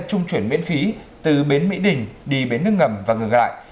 trung chuyển miễn phí từ biến mỹ đình đi biến nước ngầm và ngừng lại